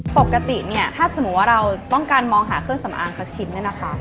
ปกติเนี่ยถ้าสมมุติว่าเราต้องการมองหาเครื่องสำอางสักชิ้นเนี่ยนะคะ